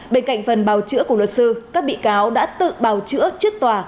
bên cạnh phần bào chữa của luật sư các bị cáo đã tự bào chữa trước tòa